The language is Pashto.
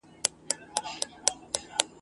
خو د هري یوې بېل جواب لرمه ..